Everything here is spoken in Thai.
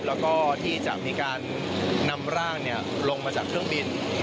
แล้วก็ที่จะมีการนำร่างลงมาจากเครื่องบิน